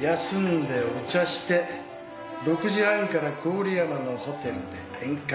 休んでお茶して６時半から郡山のホテルで宴会。